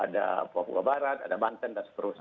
ada ac ada bapak ibu bapak barat ada banten dan seterusnya